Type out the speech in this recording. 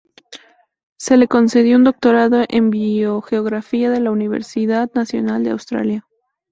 Se le concedió un doctorado en biogeografía de la Universidad Nacional de Australia.